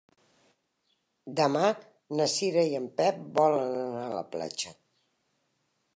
Demà na Cira i en Pep volen anar a la platja.